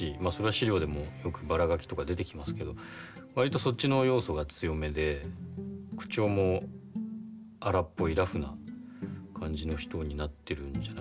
あそれは史料でもよくバラガキとか出てきますけど割とそっちの要素が強めで口調も荒っぽいラフな感じの人になってるんじゃないですかね。